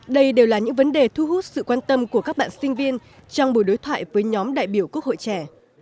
đây đều là những vấn đề thu hút sự quan tâm của các bạn sinh viên trong buổi đối thoại với nhóm đại biểu quốc hội trẻ